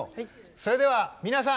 それでは皆さん。